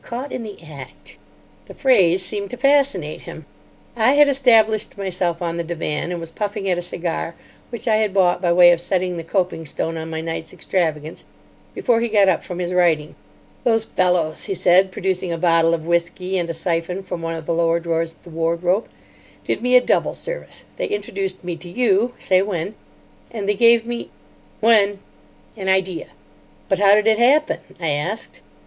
"Caught in the act." The phrase seemed to fascinate him. I had established myself on the divan, and was puffing at a cigar, which I had bought by way of setting the coping stone on my night's extravagance, before he got up from his writing. "Those fellows," he said, producing a bottle of whisky and a syphon from one of the lower drawers of the wardrobe, "did me a double service. They introduced me to you—say when—and they gave me——" "When." "—an idea." "But how did it happen?" I asked.